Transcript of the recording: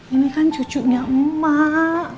ini kan cucunya emak